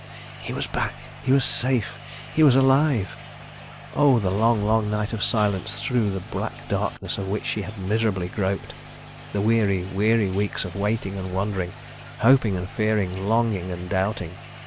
He was back! He was safe! He was alive! Oh, the long, long night of silence through the black darkness of which she had miserably groped! The weary, weary weeks of waiting and wondering, hoping and fearing, longing and doubting!